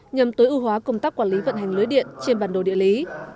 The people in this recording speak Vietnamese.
nhằm tối ưu hóa công tác quản lý vận hành lưới điện trên bản đồ địa lý